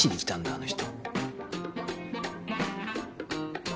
あの人。